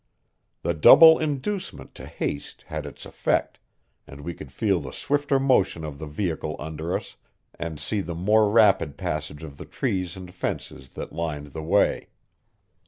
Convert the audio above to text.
The double inducement to haste had its effect, and we could feel the swifter motion of the vehicle under us, and see the more rapid passage of the trees and fences that lined the way.